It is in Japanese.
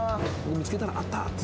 見つけたら「あった」と。